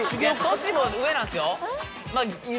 年も上なんですよ。